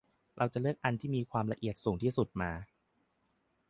เราจะเลือกอันที่ความละเอียดสูงที่สุดมา